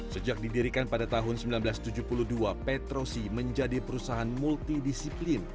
sejak didirikan pada tahun seribu sembilan ratus tujuh puluh dua petrosi menjadi perusahaan multidisiplin